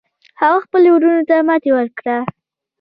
هغه خپلو وروڼو ته ماتې ورکړه.